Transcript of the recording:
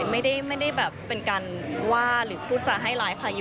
ไม่ได้แบบเป็นการว่าหรือพูดจะให้ร้ายใคร